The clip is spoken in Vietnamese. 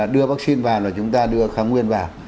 đưa vaccine vào là chúng ta đưa kháng nguyên vào